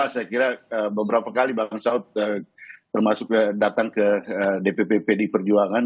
saya kira beberapa kali bang saud termasuk datang ke dpp pdi perjuangan